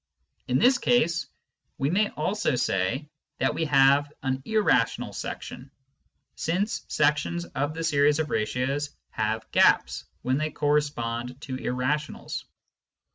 In this case, we may also say that we have an " irrational section," since sections of the series of ratios have " gaps " when they correspond to irrationals.